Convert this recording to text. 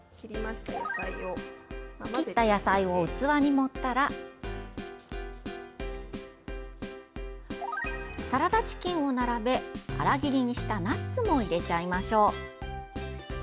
切った野菜を器に盛ったらサラダチキンを並べ粗切りにしたナッツも入れちゃいましょう。